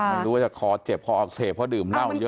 ไม่รู้ว่าจะคอเจ็บคออักเสบเพราะดื่มเหล้าเยอะ